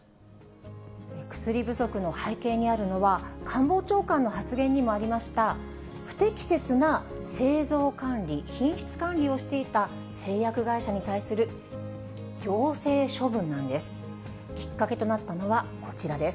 薬不足の背景にあるのは、官房長官の発言にもありました、不適切な製造管理、品質管理をしていた、製薬会社に対する行政処分なんです。